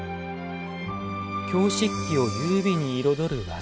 京漆器を優美に彩る技。